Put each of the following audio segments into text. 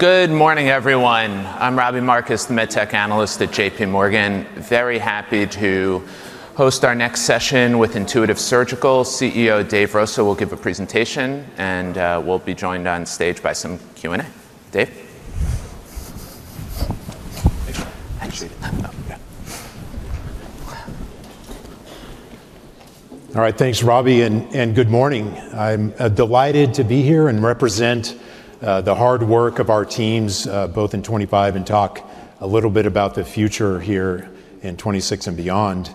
Good morning, everyone. I'm Robbie Marcus, the MedTech analyst at JPMorgan. Very happy to host our next session with Intuitive Surgical. CEO Dave Rosa will give a presentation, and we'll be joined on stage by some Q&A. Dave? Actually, no. All right, thanks, Robbie, and good morning. I'm delighted to be here and represent the hard work of our teams, both in 2025, and talk a little bit about the future here in 2026 and beyond.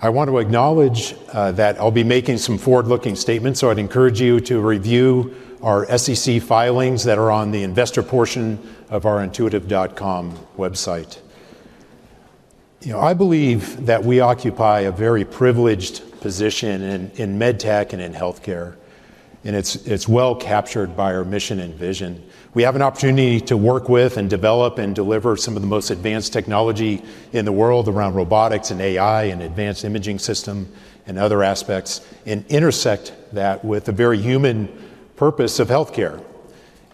I want to acknowledge that I'll be making some forward-looking statements, so I'd encourage you to review our SEC filings that are on the investor portion of our intuitive.com website. I believe that we occupy a very privileged position in MedTech and in healthcare, and it's well captured by our mission and vision. We have an opportunity to work with and develop and deliver some of the most advanced technology in the world around robotics and AI and advanced imaging systems and other aspects, and intersect that with the very human purpose of healthcare.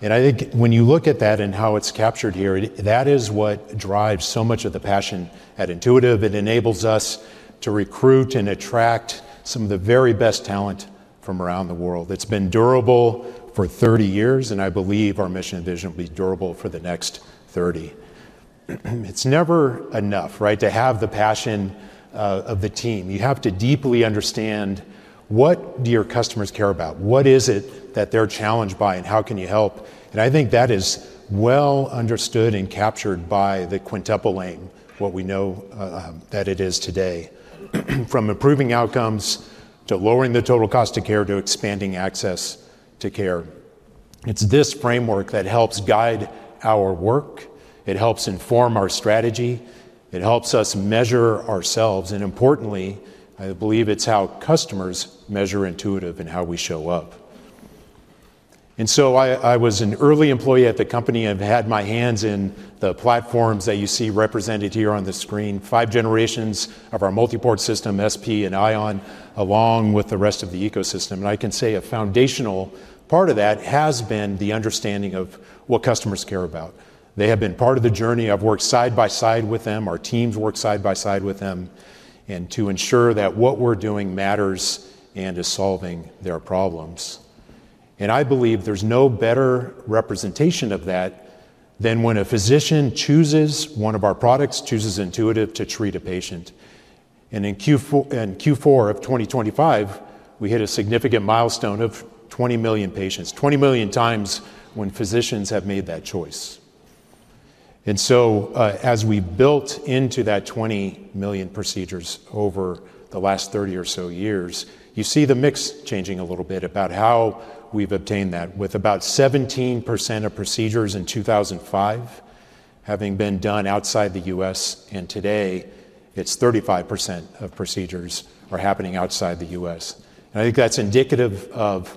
And I think when you look at that and how it's captured here, that is what drives so much of the passion at Intuitive. It enables us to recruit and attract some of the very best talent from around the world. It's been durable for 30 years, and I believe our mission and vision will be durable for the next 30. It's never enough to have the passion of the team. You have to deeply understand what do your customers care about? What is it that they're challenged by, and how can you help? And I think that is well understood and captured by the Quintuple Aim, what we know that it is today. From improving outcomes to lowering the total cost of care to expanding access to care, it's this framework that helps guide our work. It helps inform our strategy. It helps us measure ourselves. And importantly, I believe it's how customers measure Intuitive and how we show up. And so I was an early employee at the company. I've had my hands in the platforms that you see represented here on the screen, five generations of our Multiport system, SP and Ion, along with the rest of the ecosystem. And I can say a foundational part of that has been the understanding of what customers care about. They have been part of the journey. I've worked side by side with them. Our teams work side by side with them to ensure that what we're doing matters and is solving their problems. And I believe there's no better representation of that than when a physician chooses one of our products, chooses Intuitive to treat a patient. In Q4 of 2025, we hit a significant milestone of 20 million patients, 20 million times when physicians have made that choice. So as we built into that 20 million procedures over the last 30 or so years, you see the mix changing a little bit about how we've obtained that, with about 17% of procedures in 2005 having been done outside the U.S., and today it's 35% of procedures are happening outside the U.S. I think that's indicative of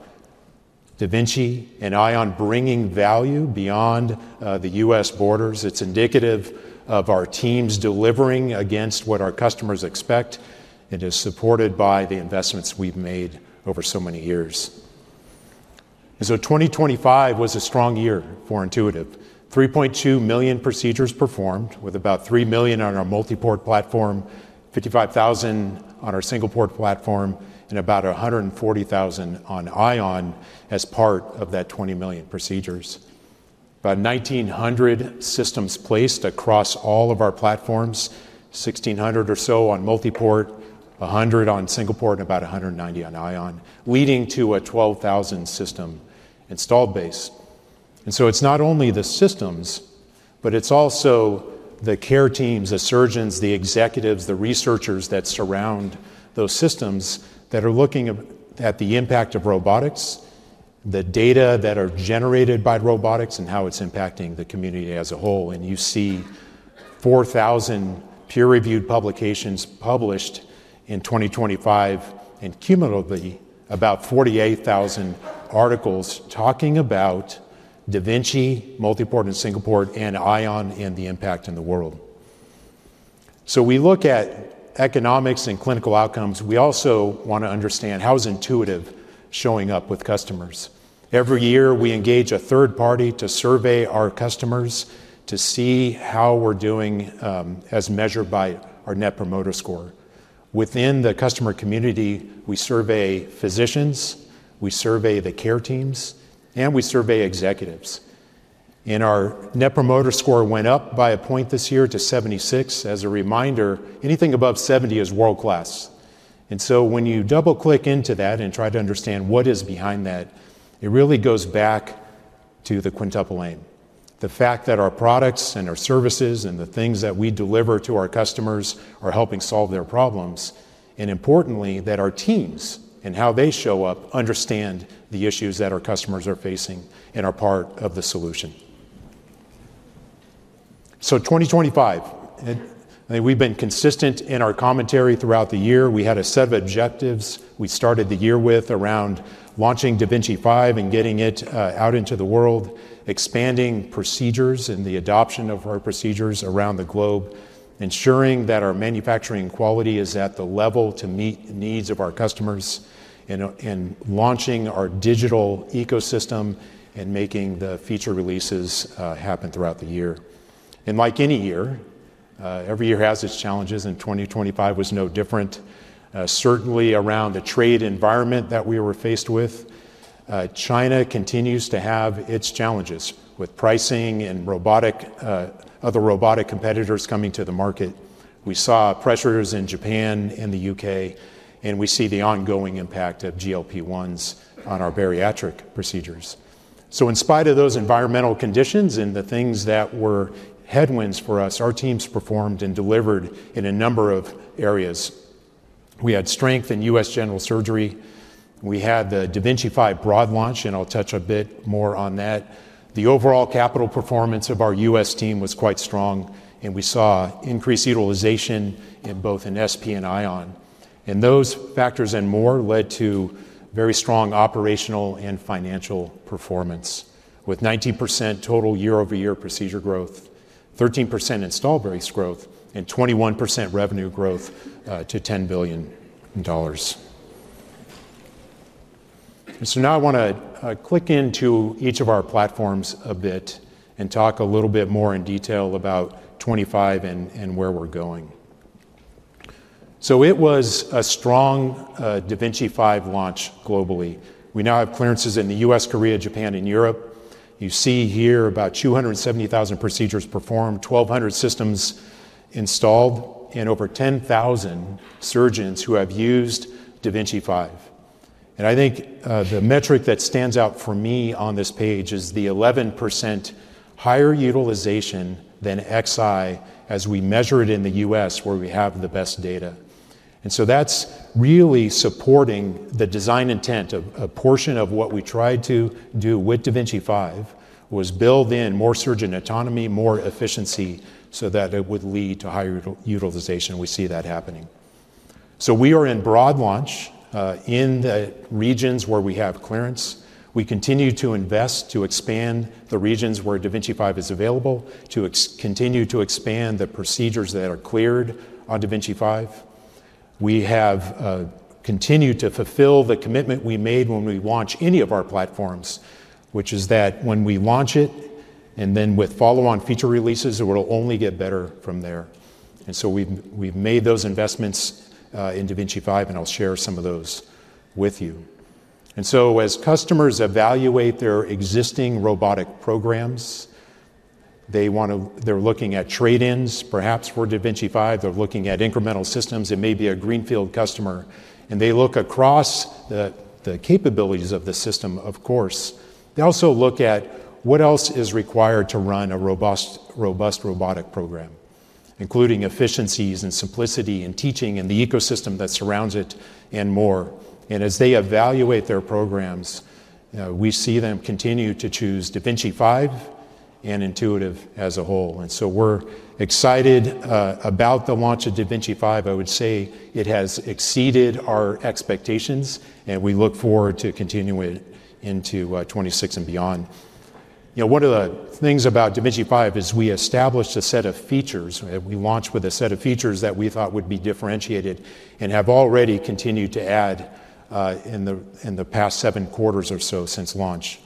da Vinci and Ion bringing value beyond the U.S. borders. It's indicative of our teams delivering against what our customers expect. It is supported by the investments we've made over so many years. So 2025 was a strong year for Intuitive. 3.2 million procedures performed, with about 3 million on our Multiport platform, 55,000 on our Single-Port platform, and about 140,000 on Ion as part of that 20 million procedures. About 1,900 systems placed across all of our platforms, 1,600 or so on Multiport, 100 on Single-Port, and about 190 on Ion, leading to a 12,000 system installed base. And so it's not only the systems, but it's also the care teams, the surgeons, the executives, the researchers that surround those systems that are looking at the impact of robotics, the data that are generated by robotics, and how it's impacting the community as a whole. And you see 4,000 peer-reviewed publications published in 2025, and cumulatively about 48,000 articles talking about da Vinci, Multiport and Single-Port, and Ion and the impact in the world. So we look at economics and clinical outcomes. We also want to understand how is Intuitive showing up with customers. Every year we engage a third party to survey our customers to see how we're doing as measured by our Net Promoter Score. Within the customer community, we survey physicians, we survey the care teams, and we survey executives, and our Net Promoter Score went up by a point this year to 76. As a reminder, anything above 70 is world-class, and so when you double-click into that and try to understand what is behind that, it really goes back to the Quintuple Aim, the fact that our products and our services and the things that we deliver to our customers are helping solve their problems, and importantly, that our teams and how they show up understand the issues that our customers are facing and are part of the solution. So 2025, we've been consistent in our commentary throughout the year. We had a set of objectives we started the year with around launching da Vinci 5 and getting it out into the world, expanding procedures and the adoption of our procedures around the globe, ensuring that our manufacturing quality is at the level to meet the needs of our customers, and launching our digital ecosystem and making the feature releases happen throughout the year. And like any year, every year has its challenges, and 2025 was no different. Certainly around the trade environment that we were faced with, China continues to have its challenges with pricing and other robotic competitors coming to the market. We saw pressures in Japan and the U.K., and we see the ongoing impact of GLP-1s on our bariatric procedures. In spite of those environmental conditions and the things that were headwinds for us, our teams performed and delivered in a number of areas. We had strength in U.S. general surgery. We had the da Vinci 5 broad launch, and I'll touch a bit more on that. The overall capital performance of our U.S. team was quite strong, and we saw increased utilization in both SP and Ion. Those factors and more led to very strong operational and financial performance, with 19% total year-over-year procedure growth, 13% installed base growth, and 21% revenue growth to $10 billion. Now I want to click into each of our platforms a bit and talk a little bit more in detail about 2025 and where we're going. It was a strong da Vinci 5 launch globally. We now have clearances in the U.S., Korea, Japan, and Europe. You see here about 270,000 procedures performed, 1,200 systems installed, and over 10,000 surgeons who have used da Vinci 5. I think the metric that stands out for me on this page is the 11% higher utilization than Xi as we measure it in the U.S., where we have the best data. That's really supporting the design intent. A portion of what we tried to do with da Vinci 5 was build in more surgeon autonomy, more efficiency, so that it would lead to higher utilization. We see that happening. We are in broad launch in the regions where we have clearance. We continue to invest to expand the regions where da Vinci 5 is available, to continue to expand the procedures that are cleared on da Vinci 5. We have continued to fulfill the commitment we made when we launch any of our platforms, which is that when we launch it and then with follow-on feature releases, it will only get better from there, and so we've made those investments in da Vinci 5, and I'll share some of those with you, and so as customers evaluate their existing robotic programs, they're looking at trade-ins, perhaps for da Vinci 5. They're looking at incremental systems. It may be a greenfield customer, and they look across the capabilities of the system, of course. They also look at what else is required to run a robust robotic program, including efficiencies and simplicity and teaching and the ecosystem that surrounds it and more, and as they evaluate their programs, we see them continue to choose da Vinci 5 and Intuitive as a whole, and so we're excited about the launch of da Vinci 5. I would say it has exceeded our expectations, and we look forward to continuing into 2026 and beyond. One of the things about da Vinci 5 is we established a set of features. We launched with a set of features that we thought would be differentiated and have already continued to add in the past seven quarters or so since launch.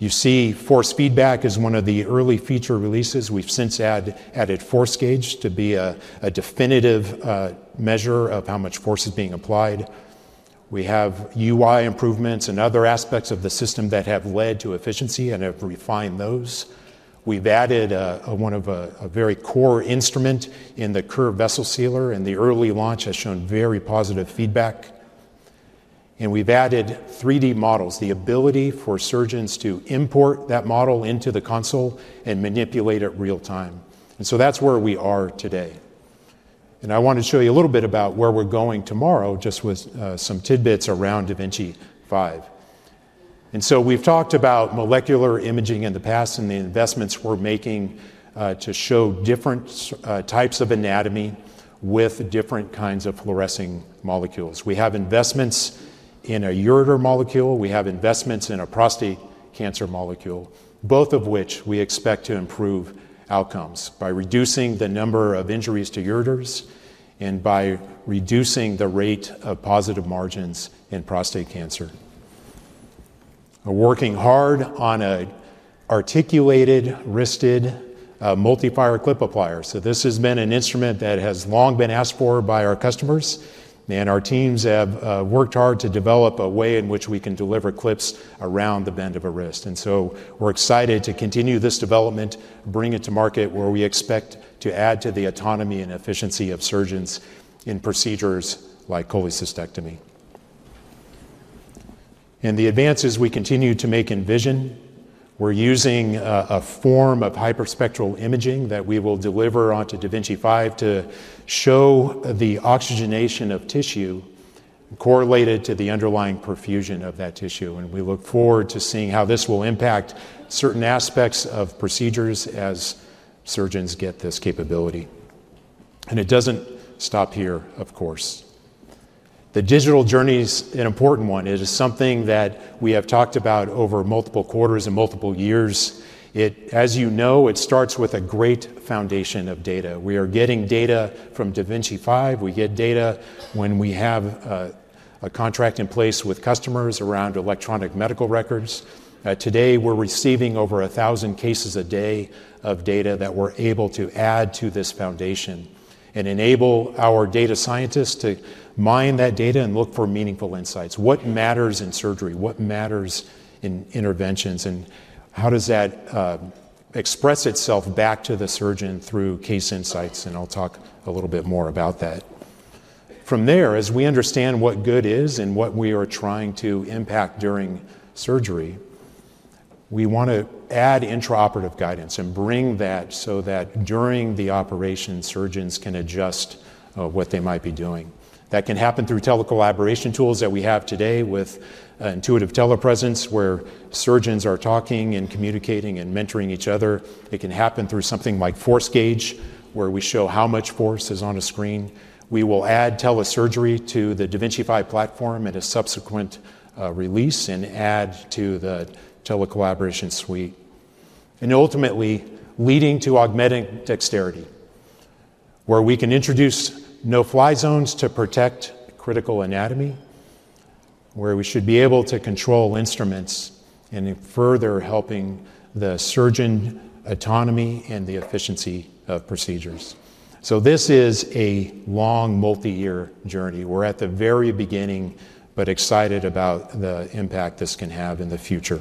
You see Force Feedback is one of the early feature releases. We've since added Force Gauge to be a definitive measure of how much force is being applied. We have UI improvements and other aspects of the system that have led to efficiency and have refined those. We've added one of a very core instrument in the curved vessel sealer, and the early launch has shown very positive feedback. And we've added 3D models, the ability for surgeons to import that model into the console and manipulate it real time. And so that's where we are today. And I want to show you a little bit about where we're going tomorrow, just with some tidbits around da Vinci 5. And so we've talked about molecular imaging in the past and the investments we're making to show different types of anatomy with different kinds of fluorescing molecules. We have investments in a ureter molecule. We have investments in a prostate cancer molecule, both of which we expect to improve outcomes by reducing the number of injuries to ureters and by reducing the rate of positive margins in prostate cancer. We're working hard on an articulated wristed multi-fire clip applier. So this has been an instrument that has long been asked for by our customers, and our teams have worked hard to develop a way in which we can deliver clips around the bend of a wrist. And so we're excited to continue this development, bring it to market where we expect to add to the autonomy and efficiency of surgeons in procedures like cholecystectomy. And the advances we continue to make in vision, we're using a form of hyperspectral imaging that we will deliver onto da Vinci 5 to show the oxygenation of tissue correlated to the underlying perfusion of that tissue. And we look forward to seeing how this will impact certain aspects of procedures as surgeons get this capability. And it doesn't stop here, of course. The digital journey is an important one. It is something that we have talked about over multiple quarters and multiple years. As you know, it starts with a great foundation of data. We are getting data from da Vinci 5. We get data when we have a contract in place with customers around electronic medical records. Today, we're receiving over 1,000 cases a day of data that we're able to add to this foundation and enable our data scientists to mine that data and look for meaningful insights. What matters in surgery? What matters in interventions? And how does that express itself back to the surgeon through case insights? And I'll talk a little bit more about that. From there, as we understand what good is and what we are trying to impact during surgery, we want to add intraoperative guidance and bring that so that during the operation, surgeons can adjust what they might be doing. That can happen through telecollaboration tools that we have today with Intuitive Telepresence, where surgeons are talking and communicating and mentoring each other. It can happen through something like Force Gauge, where we show how much force is on a screen. We will add telesurgery to the da Vinci 5 platform at a subsequent release and add to the telecollaboration suite. And ultimately, leading to augmented dexterity, where we can introduce no-fly zones to protect critical anatomy, where we should be able to control instruments and further helping the surgeon autonomy and the efficiency of procedures. So this is a long multi-year journey. We're at the very beginning, but excited about the impact this can have in the future.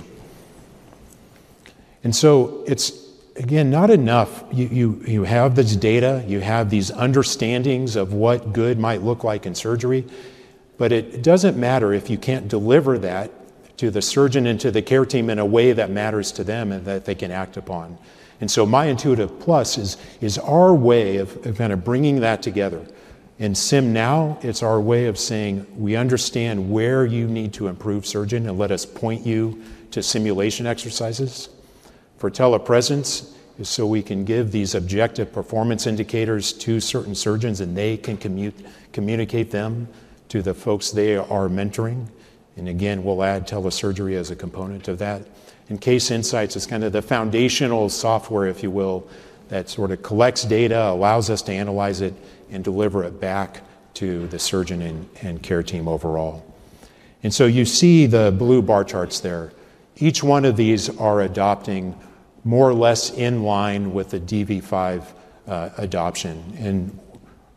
And so it's, again, not enough. You have this data. You have these understandings of what good might look like in surgery, but it doesn't matter if you can't deliver that to the surgeon and to the care team in a way that matters to them and that they can act upon. And so My Intuitive Plus is our way of kind of bringing that together. SimNow, it's our way of saying, "We understand where you need to improve, surgeon, and let us point you to simulation exercises." For telepresence, so we can give these objective performance indicators to certain surgeons, and they can communicate them to the folks they are mentoring. And again, we'll add telesurgery as a component of that. And Case Insights is kind of the foundational software, if you will, that sort of collects data, allows us to analyze it, and deliver it back to the surgeon and care team overall. And so you see the blue bar charts there. Each one of these are adopting more or less in line with the DV5 adoption. And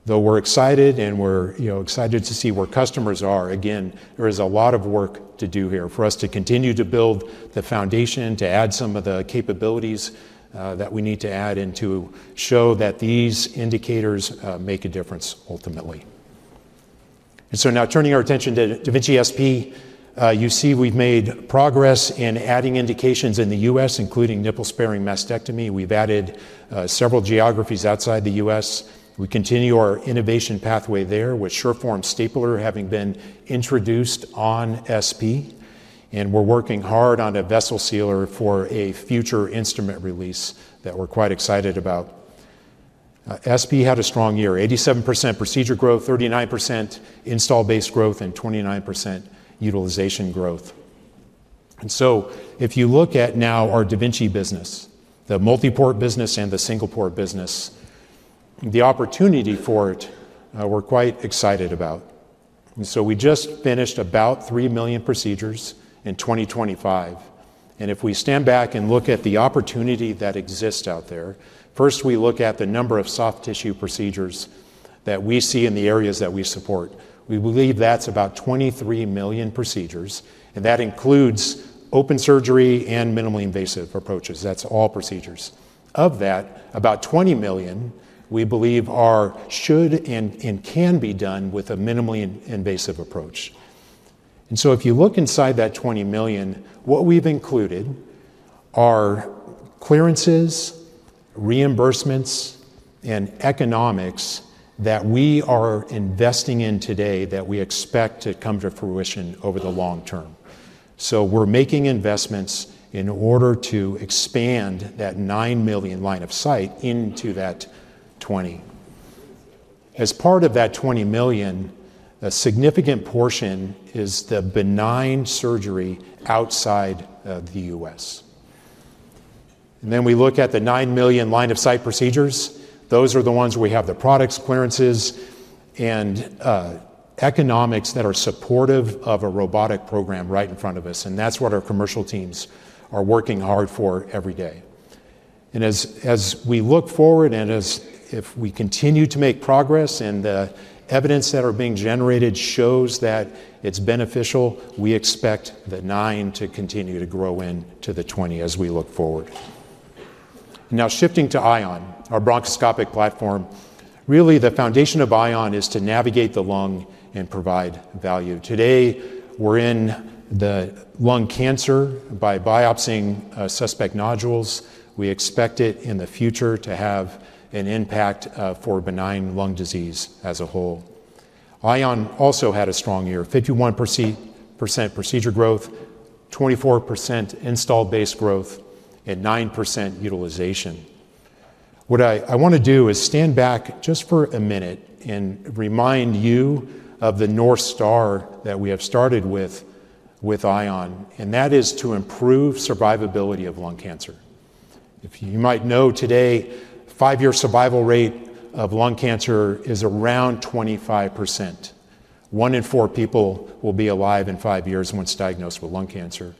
though we're excited and we're excited to see where customers are, again, there is a lot of work to do here for us to continue to build the foundation, to add some of the capabilities that we need to add and to show that these indicators make a difference ultimately. And so now turning our attention to da Vinci SP, you see we've made progress in adding indications in the U.S., including nipple-sparing mastectomy. We've added several geographies outside the U.S. We continue our innovation pathway there with SureForm Stapler having been introduced on SP, and we're working hard on a vessel sealer for a future instrument release that we're quite excited about. SP had a strong year, 87% procedure growth, 39% installed-base growth, and 29% utilization growth. And so if you look at now our da Vinci business, the Multiport business and the Single-Port business, the opportunity for it, we're quite excited about. And so we just finished about 3 million procedures in 2025. And if we stand back and look at the opportunity that exists out there, first we look at the number of soft tissue procedures that we see in the areas that we support. We believe that's about 23 million procedures, and that includes open surgery and minimally invasive approaches. That's all procedures. Of that, about 20 million, we believe should and can be done with a minimally invasive approach. And so if you look inside that 20 million, what we've included are clearances, reimbursements, and economics that we are investing in today that we expect to come to fruition over the long term. So we're making investments in order to expand that nine million line of sight into that 20. As part of that 20 million, a significant portion is the benign surgery outside of the U.S. And then we look at the nine million line of sight procedures. Those are the ones where we have the products, clearances, and economics that are supportive of a robotic program right in front of us. And that's what our commercial teams are working hard for every day. And as we look forward and as if we continue to make progress and the evidence that are being generated shows that it's beneficial, we expect the nine to continue to grow into the 20 as we look forward. Now shifting to Ion, our bronchoscopic platform, really the foundation of Ion is to navigate the lung and provide value. Today, we're in the lung cancer by biopsying suspect nodules. We expect it in the future to have an impact for benign lung disease as a whole. Ion also had a strong year, 51% procedure growth, 24% installed-base growth, and 9% utilization. What I want to do is stand back just for a minute and remind you of the North Star that we have started with Ion, and that is to improve survivability of lung cancer. If you might know today, five-year survival rate of lung cancer is around 25%. One in four people will be alive in five years once diagnosed with lung cancer.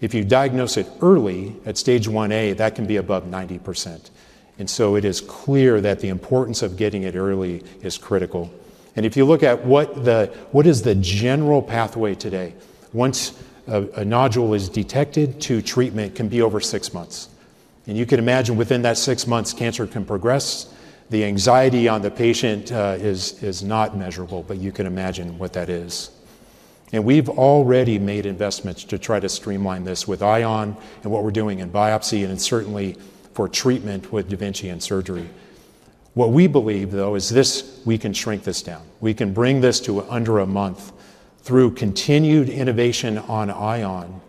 If you diagnose it early at stage 1A, that can be above 90%. So it is clear that the importance of getting it early is critical. If you look at what is the general pathway today, once a nodule is detected, treatment can be over six months. And you can imagine within that six months, cancer can progress. The anxiety on the patient is not measurable, but you can imagine what that is. And we've already made investments to try to streamline this with Ion and what we're doing in biopsy and certainly for treatment with da Vinci and surgery. What we believe, though, is this: we can shrink this down. We can bring this to under a month through continued innovation on Ion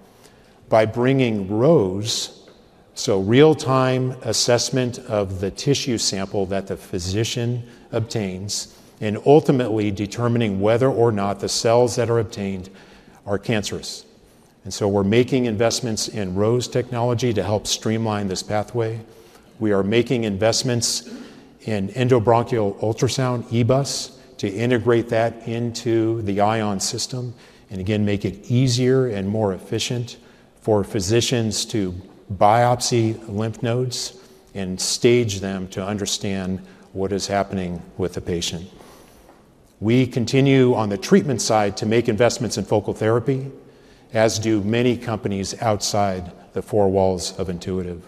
by bringing ROSE, so real-time assessment of the tissue sample that the physician obtains, and ultimately determining whether or not the cells that are obtained are cancerous. And so we're making investments in ROSE technology to help streamline this pathway. We are making investments in endobronchial ultrasound, EBUS, to integrate that into the Ion system and, again, make it easier and more efficient for physicians to biopsy lymph nodes and stage them to understand what is happening with the patient. We continue on the treatment side to make investments in focal therapy, as do many companies outside the four walls of Intuitive.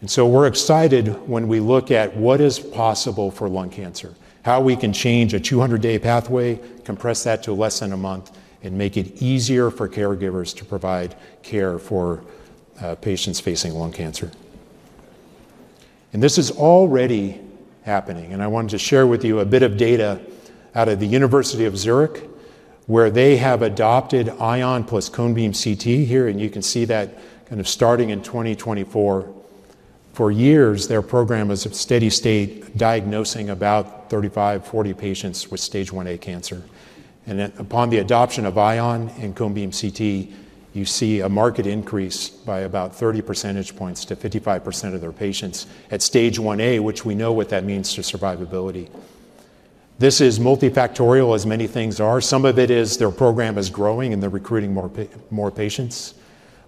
And so we're excited when we look at what is possible for lung cancer, how we can change a 200-day pathway, compress that to less than a month, and make it easier for caregivers to provide care for patients facing lung cancer. And this is already happening. And I wanted to share with you a bit of data out of the University of Zurich, where they have adopted Ion plus cone beam CT here, and you can see that kind of starting in 2024. For years, their program was a steady state diagnosing about 35, 40 patients with stage 1A cancer. And upon the adoption of Ion and cone beam CT, you see a market increase by about 30 percentage points to 55% of their patients at stage 1A, which we know what that means to survivability. This is multifactorial, as many things are. Some of it is their program is growing and they're recruiting more patients.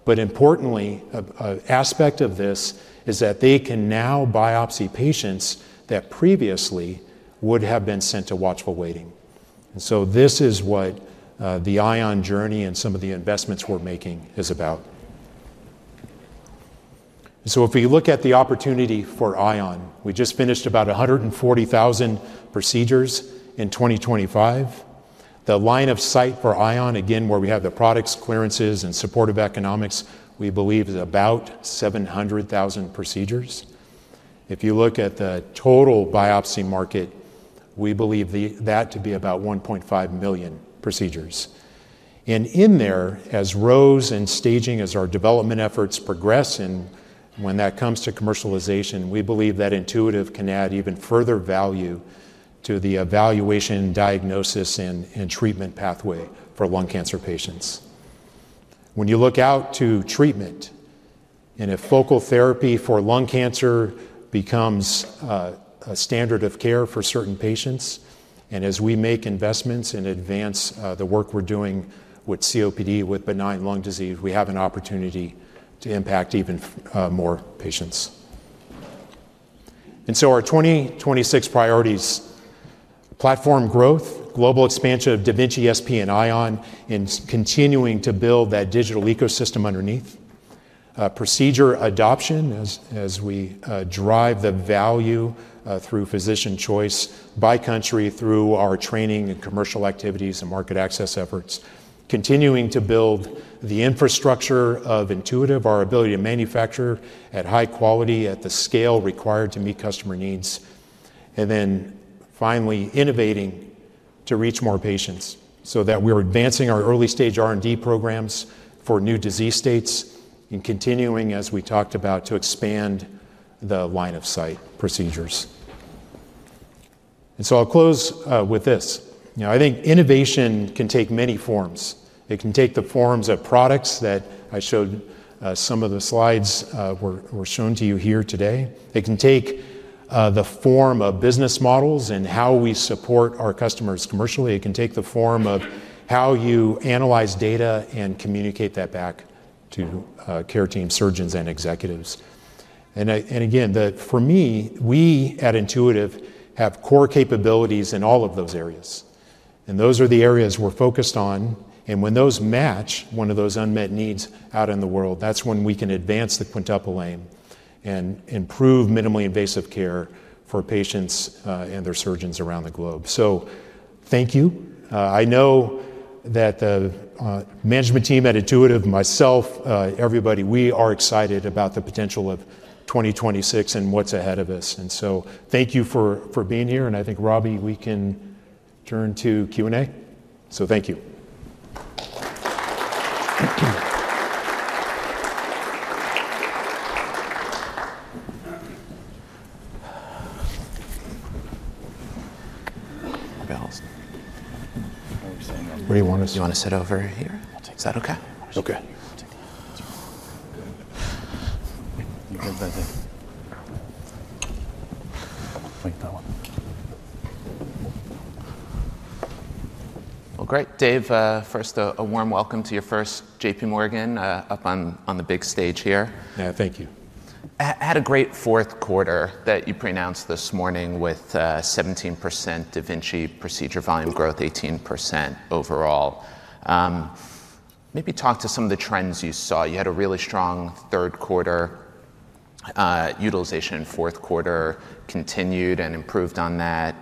But importantly, an aspect of this is that they can now biopsy patients that previously would have been sent to watchful waiting. And so this is what the Ion journey and some of the investments we're making is about. And so if we look at the opportunity for Ion, we just finished about 140,000 procedures in 2025. The line of sight for Ion, again, where we have the products, clearances, and supportive economics, we believe is about 700,000 procedures. If you look at the total biopsy market, we believe that to be about 1.5 million procedures, and in there, as ROSE and staging as our development efforts progress, and when that comes to commercialization, we believe that Intuitive can add even further value to the evaluation, diagnosis, and treatment pathway for lung cancer patients. When you look out to treatment and if focal therapy for lung cancer becomes a standard of care for certain patients, and as we make investments and advance the work we're doing with COPD, with benign lung disease, we have an opportunity to impact even more patients, and so our 2026 priorities: platform growth, global expansion of da Vinci SP and Ion, and continuing to build that digital ecosystem underneath. Procedure adoption as we drive the value through physician choice by country through our training and commercial activities and market access efforts. Continuing to build the infrastructure of Intuitive, our ability to manufacture at high quality at the scale required to meet customer needs. And then finally, innovating to reach more patients so that we're advancing our early-stage R&D programs for new disease states and continuing, as we talked about, to expand the line of sight procedures. And so I'll close with this. I think innovation can take many forms. It can take the forms of products that I showed some of the slides were shown to you here today. It can take the form of business models and how we support our customers commercially. It can take the form of how you analyze data and communicate that back to care team, surgeons, and executives. And again, for me, we at Intuitive have core capabilities in all of those areas. And those are the areas we're focused on. And when those match one of those unmet needs out in the world, that's when we can advance the quintuple aim and improve minimally invasive care for patients and their surgeons around the globe. So thank you. I know that the management team at Intuitive, myself, everybody, we are excited about the potential of 2026 and what's ahead of us. And so thank you for being here. And I think, Robbie, we can turn to Q&A. So thank you. Where do you want us? You want to sit over here? Is that okay? Okay. Well, great. Dave, first, a warm welcome to your first JPMorgan up on the big stage here. Yeah, thank you. Had a great fourth quarter that you announced this morning with 17% da Vinci procedure volume growth, 18% overall. Maybe talk to some of the trends you saw. You had a really strong third quarter utilization, fourth quarter continued and improved on that.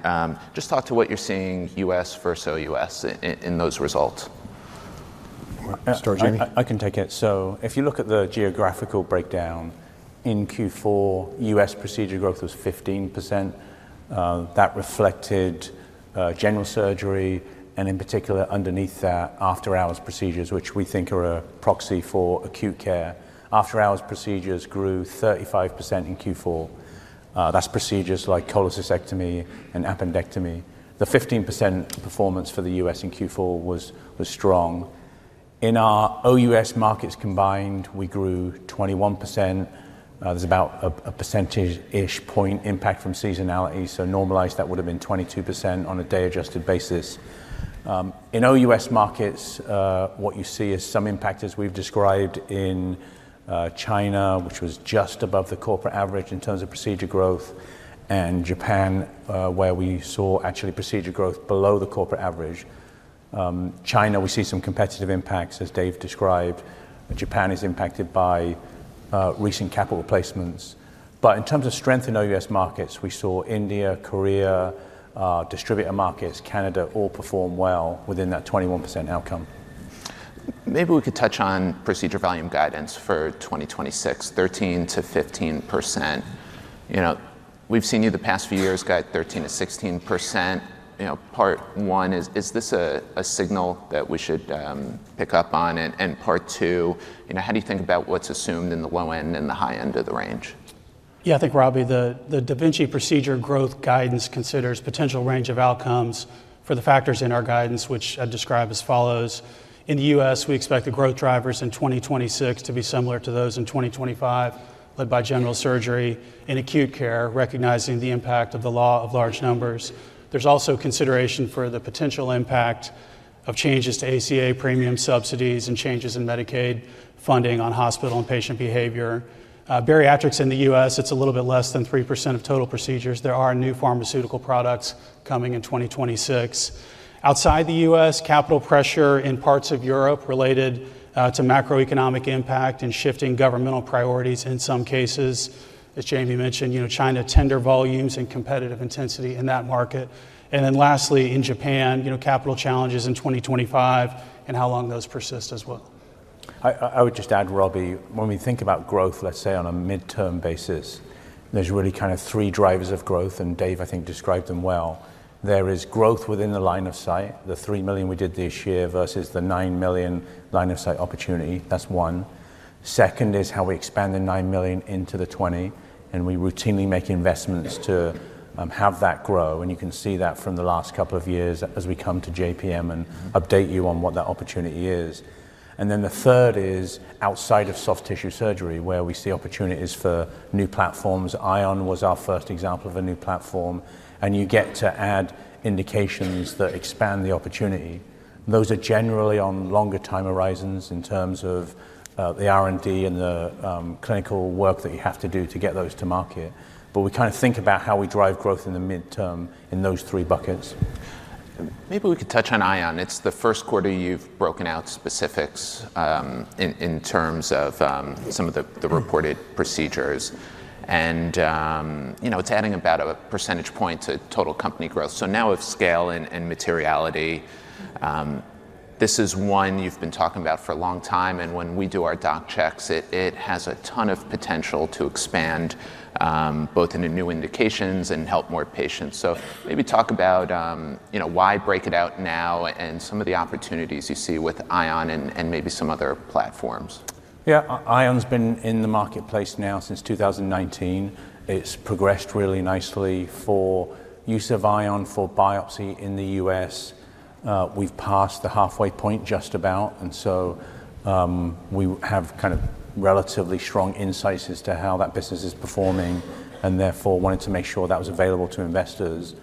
Just talk to what you're seeing US versus OUS in those results. I can take it. So if you look at the geographical breakdown in Q4, US procedure growth was 15%. That reflected general surgery and, in particular, underneath that, after-hours procedures, which we think are a proxy for acute care. After-hours procedures grew 35% in Q4. That's procedures like cholecystectomy and appendectomy. The 15% performance for the U.S. in Q4 was strong. In our OUS markets combined, we grew 21%. There's about a percentage-ish point impact from seasonality. So normalized, that would have been 22% on a day-adjusted basis. In OUS markets, what you see is some impact, as we've described, in China, which was just above the corporate average in terms of procedure growth, and Japan, where we saw actually procedure growth below the corporate average. China, we see some competitive impacts, as Dave described. Japan is impacted by recent capital placements. But in terms of strength in OUS markets, we saw India, Korea, distributor markets, Canada all perform well within that 21% outcome. Maybe we could touch on procedure volume guidance for 2026, 13%-15%. We've seen you the past few years got 13%-16%. Part one is, is this a signal that we should pick up on? And part two, how do you think about what's assumed in the low end and the high end of the range? Yeah, I think, Robbie, the da Vinci procedure growth guidance considers potential range of outcomes for the factors in our guidance, which I describe as follows. In the U.S., we expect the growth drivers in 2026 to be similar to those in 2025, led by general surgery in acute care, recognizing the impact of the law of large numbers. There's also consideration for the potential impact of changes to ACA premium subsidies and changes in Medicaid funding on hospital and patient behavior. Bariatrics in the U.S., it's a little bit less than 3% of total procedures. There are new pharmaceutical products coming in 2026. Outside the U.S., capital pressure in parts of Europe related to macroeconomic impact and shifting governmental priorities in some cases. As Jamie mentioned, China tender volumes and competitive intensity in that market. Then lastly, in Japan, capital challenges in 2025 and how long those persist as well. I would just add, Robbie, when we think about growth, let's say on a midterm basis, there's really kind of three drivers of growth. Dave, I think, described them well. There is growth within the line of sight, the three million we did this year versus the nine million line of sight opportunity. That's one. Second is how we expand the nine million into the 20, and we routinely make investments to have that grow. You can see that from the last couple of years as we come to JPM and update you on what that opportunity is. The third is outside of soft tissue surgery, where we see opportunities for new platforms. Ion was our first example of a new platform, and you get to add indications that expand the opportunity. Those are generally on longer time horizons in terms of the R&D and the clinical work that you have to do to get those to market. But we kind of think about how we drive growth in the midterm in those three buckets. Maybe we could touch on Ion. It's the first quarter you've broken out specifics in terms of some of the reported procedures. And it's adding about a percentage point to total company growth. So now of scale and materiality, this is one you've been talking about for a long time. And when we do our doc checks, it has a ton of potential to expand both in new indications and help more patients. So maybe talk about why break it out now and some of the opportunities you see with Ion and maybe some other platforms? Yeah, Ion's been in the marketplace now since 2019. It's progressed really nicely for use of Ion for biopsy in the U.S. We've passed the halfway point just about. And so we have kind of relatively strong insights as to how that business is performing and therefore wanted to make sure that was available to investors.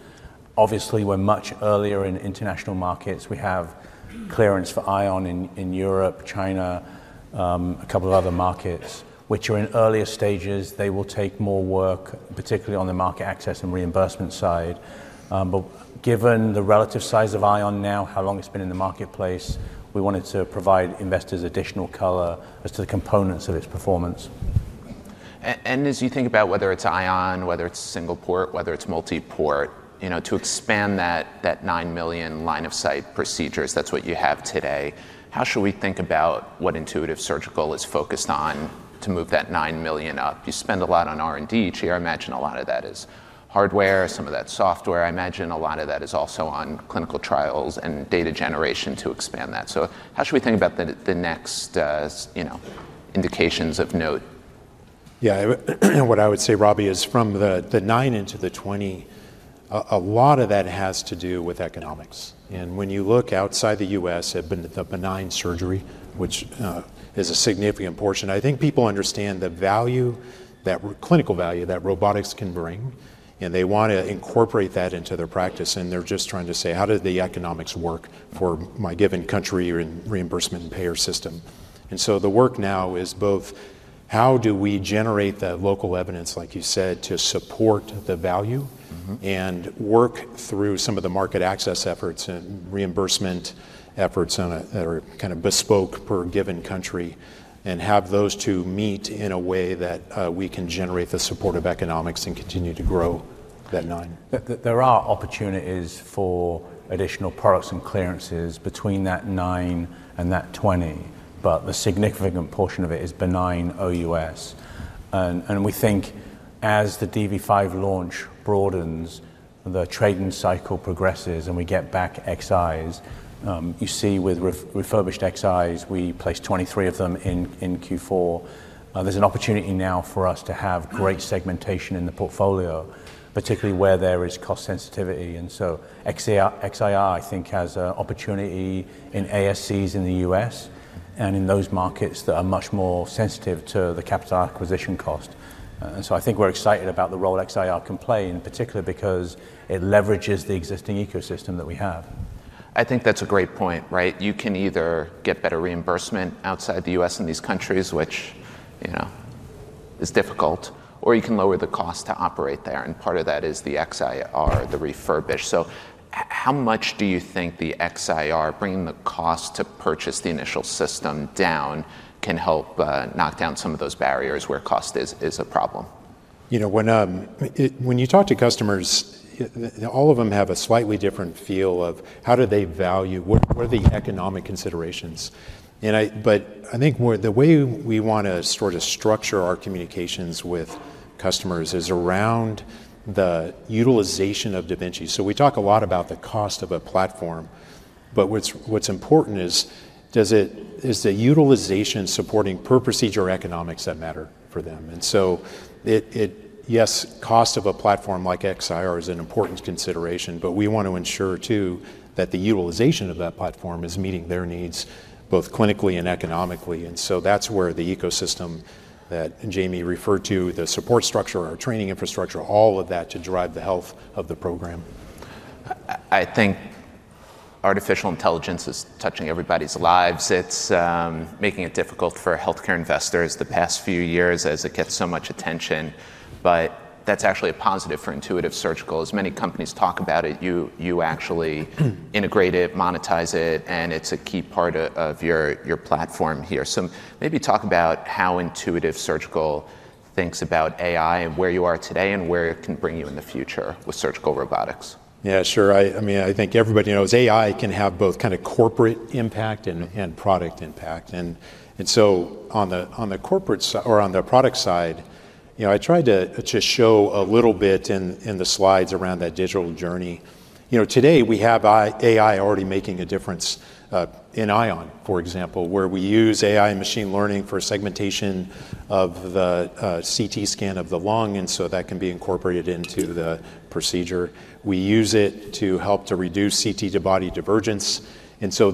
Obviously, we're much earlier in international markets. We have clearance for Ion in Europe, China, a couple of other markets, which are in earlier stages. They will take more work, particularly on the market access and reimbursement side. But given the relative size of Ion now, how long it's been in the marketplace, we wanted to provide investors additional color as to the components of its performance. As you think about whether it's Ion, whether it's single port, whether it's multiport, to expand that 9 million line of sight procedures, that's what you have today. How should we think about what Intuitive Surgical is focused on to move that 9 million up? You spend a lot on R&D each year. I imagine a lot of that is hardware, some of that software. I imagine a lot of that is also on clinical trials and data generation to expand that. How should we think about the next indications of note? Yeah, what I would say, Robbie, is from the 9 into the 20, a lot of that has to do with economics. And when you look outside the U.S., the benign surgery, which is a significant portion, I think people understand the value, that clinical value that robotics can bring, and they want to incorporate that into their practice. And they're just trying to say, how do the economics work for my given country and reimbursement payer system? And so the work now is both how do we generate the local evidence, like you said, to support the value and work through some of the market access efforts and reimbursement efforts that are kind of bespoke per given country and have those two meet in a way that we can generate the support of economics and continue to grow that 9. There are opportunities for additional products and clearances between that 9 and that 20, but the significant portion of it is benign OUS. And we think as the DV5 launch broadens, the trade-in cycle progresses and we get Xi back. You see with refurbished Xi, we placed 23 of them in Q4. There's an opportunity now for us to have great segmentation in the portfolio, particularly where there is cost sensitivity. And so Xi-R, I think, has an opportunity in ASCs in the U.S. and in those markets that are much more sensitive to the capital acquisition cost. And so I think we're excited about the role Xi-R can play, in particular, because it leverages the existing ecosystem that we have. I think that's a great point, right? You can either get better reimbursement outside the U.S. in these countries, which is difficult, or you can lower the cost to operate there. And part of that is the Xi-R, the refurbished. So how much do you think the Xi-R, bringing the cost to purchase the initial system down, can help knock down some of those barriers where cost is a problem? When you talk to customers, all of them have a slightly different feel of how do they value, what are the economic considerations. But I think the way we want to sort of structure our communications with customers is around the utilization of da Vinci. So we talk a lot about the cost of a platform, but what's important is, is the utilization supporting per procedure economics that matter for them? And so, yes, cost of a platform like Xi-R is an important consideration, but we want to ensure too that the utilization of that platform is meeting their needs both clinically and economically. And so that's where the ecosystem that Jamie referred to, the support structure, our training infrastructure, all of that to drive the health of the program. I think artificial intelligence is touching everybody's lives. It's making it difficult for healthcare investors the past few years as it gets so much attention. But that's actually a positive for Intuitive Surgical. As many companies talk about it, you actually integrate it, monetize it, and it's a key part of your platform here. So maybe talk about how Intuitive Surgical thinks about AI and where you are today and where it can bring you in the future with surgical robotics. Yeah, sure. I mean, I think everybody knows AI can have both kind of corporate impact and product impact. And so on the corporate side or on the product side, I tried to just show a little bit in the slides around that digital journey. Today, we have AI already making a difference in Ion, for example, where we use AI and machine learning for segmentation of the CT scan of the lung, and so that can be incorporated into the procedure. We use it to help to reduce CT to body divergence. And so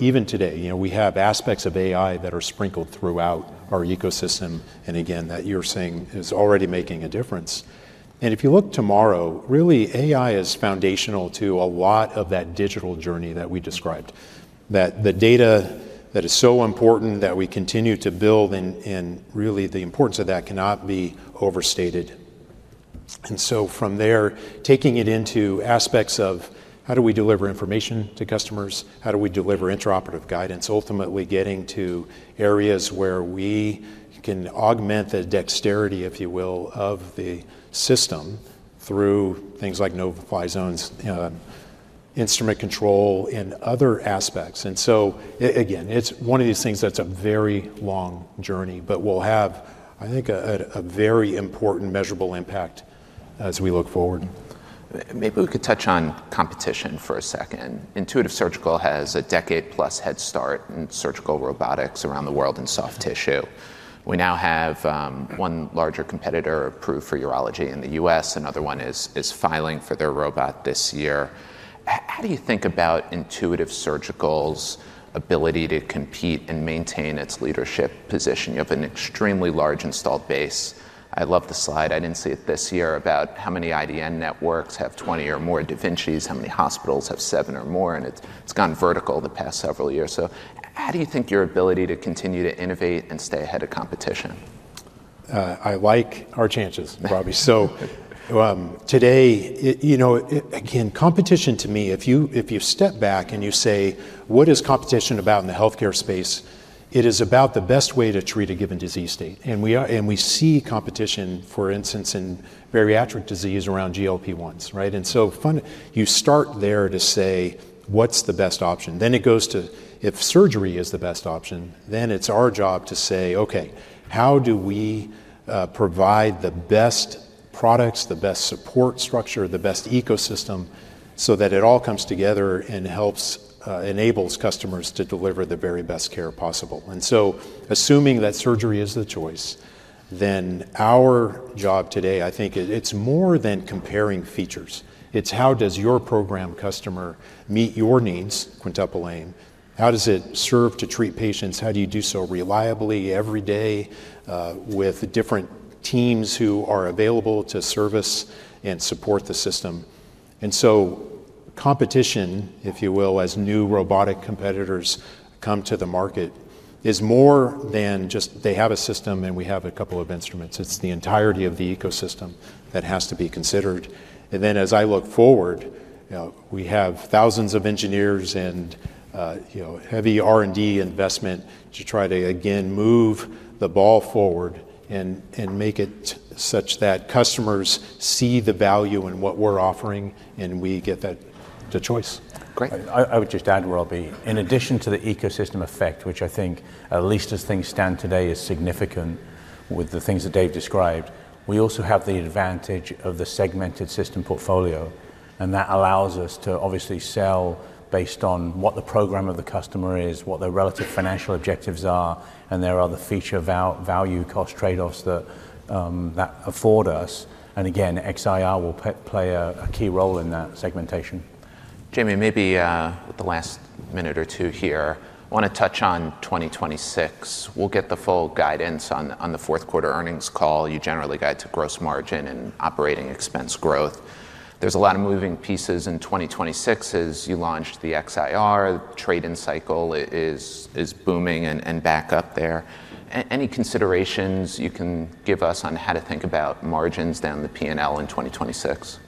even today, we have aspects of AI that are sprinkled throughout our ecosystem. And again, that you're saying is already making a difference. And if you look tomorrow, really AI is foundational to a lot of that digital journey that we described, that the data that is so important that we continue to build and really the importance of that cannot be overstated. From there, taking it into aspects of how do we deliver information to customers, how do we deliver intraoperative guidance, ultimately getting to areas where we can augment the dexterity, if you will, of the system through things like no-fly zones, instrument control, and other aspects. So again, it's one of these things that's a very long journey, but we'll have, I think, a very important measurable impact as we look forward. Maybe we could touch on competition for a second. Intuitive Surgical has a decade-plus head start in surgical robotics around the world in soft tissue. We now have one larger competitor approved for urology in the U.S. Another one is filing for their robot this year. How do you think about Intuitive Surgical's ability to compete and maintain its leadership position? You have an extremely large installed base. I love the slide. I didn't see it this year about how many IDN networks have 20 or more da Vinci's, how many hospitals have seven or more, and it's gone vertical the past several years. So how do you think your ability to continue to innovate and stay ahead of competition? I like our chances, Robbie. So today, again, competition to me, if you step back and you say, what is competition about in the healthcare space? It is about the best way to treat a given disease state. And we see competition, for instance, in bariatric disease around GLP-1s, right? And so you start there to say, what's the best option? Then it goes to, if surgery is the best option, then it's our job to say, okay, how do we provide the best products, the best support structure, the best ecosystem so that it all comes together and enables customers to deliver the very best care possible? And so assuming that surgery is the choice, then our job today, I think it's more than comparing features. It's how does your program customer meet your needs, Quintuple aim? How does it serve to treat patients? How do you do so reliably every day with different teams who are available to service and support the system? And so competition, if you will, as new robotic competitors come to the market, is more than just they have a system and we have a couple of instruments. It's the entirety of the ecosystem that has to be considered. And then as I look forward, we have thousands of engineers and heavy R&D investment to try to, again, move the ball forward and make it such that customers see the value in what we're offering and we get the choice. Great. I would just add, Robbie, in addition to the ecosystem effect, which I think at least as things stand today is significant with the things that Dave described, we also have the advantage of the segmented system portfolio. And that allows us to obviously sell based on what the program of the customer is, what their relative financial objectives are, and there are the feature value, cost trade-offs that afford us. And again, XIR will play a key role in that segmentation. Jamie, maybe with the last minute or two here, I want to touch on 2026. We'll get the full guidance on the fourth quarter earnings call. You generally guide to gross margin and operating expense growth. There's a lot of moving pieces in 2026 as you launched the Xi-R trade-in cycle. It is booming and back up there. Any considerations you can give us on how to think about margins down the P&L in 2026?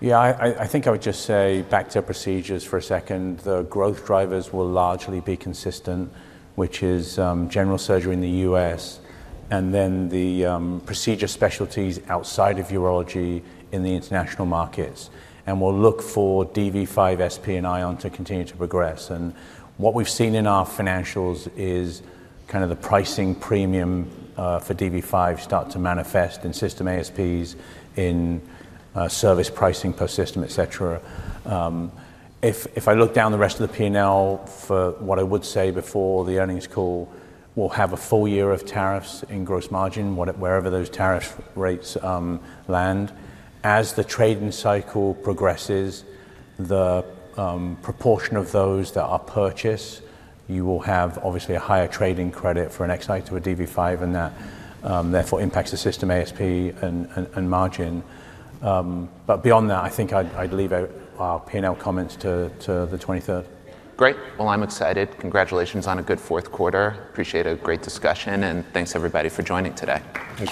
Yeah, I think I would just say back to procedures for a second. The growth drivers will largely be consistent, which is general surgery in the U.S., and then the procedure specialties outside of urology in the international markets. And we'll look for DV5 SP and Ion to continue to progress. And what we've seen in our financials is kind of the pricing premium for DV5 start to manifest in system ASPs, in service pricing per system, etc. If I look down the rest of the P&L for what I would say before the earnings call, we'll have a full year of tariffs in gross margin, wherever those tariff rates land. As the trade-in cycle progresses, the proportion of those that are purchased, you will have obviously a higher trading credit for an Xi to a dV5, and that therefore impacts the system ASP and margin. But beyond that, I think I'd leave our P&L comments to the 23rd. Great. Well, I'm excited. Congratulations on a good fourth quarter. Appreciate a great discussion, and thanks everybody for joining today.